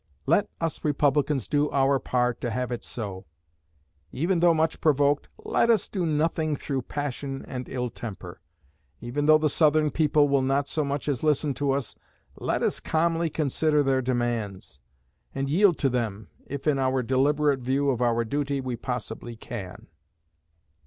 Let us Republicans do our part to have it so. Even though much provoked, let us do nothing through passion and ill temper. Even though the Southern people will not so much as listen to us, let us calmly consider their demands, and yield to them, if in our deliberate view of our duty we possibly can.